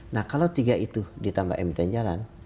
nah kalau tiga itu ditambah emiten jalan